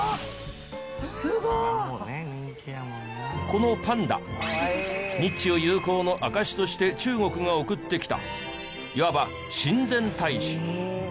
このパンダ日中友好の証しとして中国が送ってきたいわば親善大使。